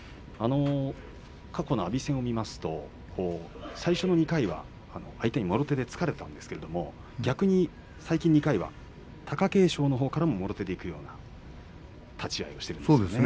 過去の阿炎戦を見ますと最初の２回は相手にもろ手で突かれたんですけれども逆に最近の２回は貴景勝のほうからもろ手でいくような立ち合いをしているんですね。